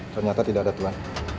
ternyata tidak ada tuhan